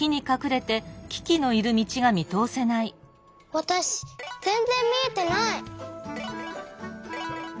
わたしぜんぜんみえてない！